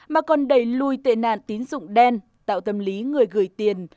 mà còn đẩy lùi tệ nạn tín dụng đen tạo tâm lý người gửi tiền